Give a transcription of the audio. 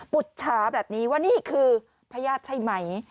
ุจฉาแบบนี้ว่านี่คือพญาติใช่ไหม